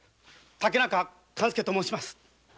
竹中勘助と申します。